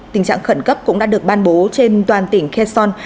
tình trạng khẩn cấp cũng đã được ban bố trên toàn tỉnh kheson